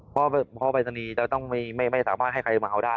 เพราะปรายศนีย์เราต้องไม่สามารถให้ใครมาเอาได้